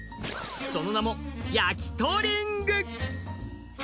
その名もやきとりング